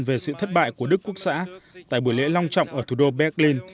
về sự thất bại của đức quốc xã tại buổi lễ long trọng ở thủ đô berlin